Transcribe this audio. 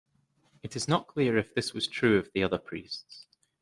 It is not clear if this was true of the other priests.